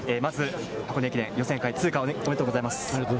箱根駅伝予選通過おめでとうございます。